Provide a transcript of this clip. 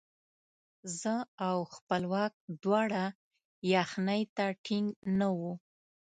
زه او خپلواک دواړه یخنۍ ته ټینګ نه وو.